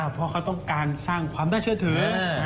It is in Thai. เพราะเขาต้องการสร้างความน่าเชื่อถือ